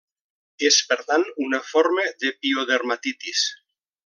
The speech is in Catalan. És per tant una forma de piodermatitis.